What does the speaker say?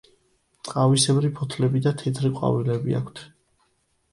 ტყავისებრი ფოთლები და თეთრი ყვავილები აქვთ.